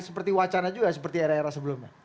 seperti wacana juga seperti era era sebelumnya